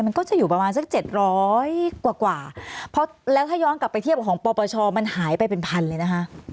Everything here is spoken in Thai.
มันก็จะอยู่ประมาณสักเจ็ดร้อยกว่าเพราะแล้วถ้าย้อนกลับไปเทียบของปปชมันหายไปเป็นพันเลยนะคะ